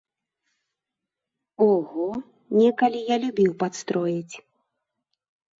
Ого, некалі я любіў падстроіць.